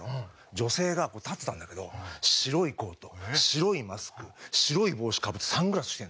女性が立ってたんだけど白いコート白いマスク白い帽子かぶってサングラスしてるんだよ。